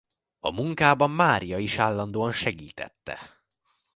A munkában Mária is állandóan segítette.